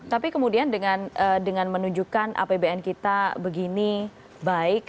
tapi kemudian dengan menunjukkan apbn kita begini baik